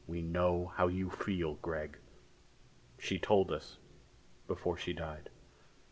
"We know how you feel, Gregg. She told us before she died."